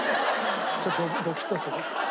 ちょっとドキッとする。